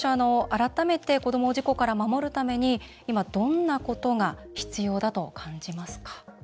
改めて、子どもを事故から守るために今、どんなことが必要だと感じますか？